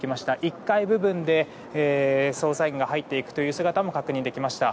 １階部分で捜査員が入っていくという姿も確認できました。